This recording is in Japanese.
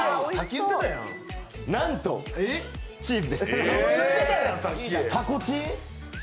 なんと、チーズです。